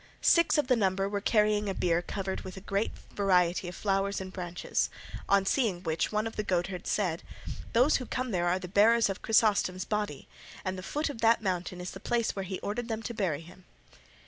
Six of the number were carrying a bier covered with a great variety of flowers and branches, on seeing which one of the goatherds said, "Those who come there are the bearers of Chrysostom's body, and the foot of that mountain is the place where he ordered them to bury him."